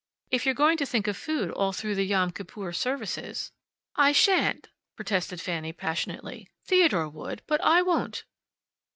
If you're going to think of food all through the Yom Kippur services " "I sha'n't?" protested Fanny passionately. "Theodore would, but I won't."